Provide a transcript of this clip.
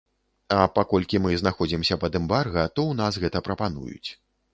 А паколькі мы знаходзімся пад эмбарга, то у нас гэта прапануюць.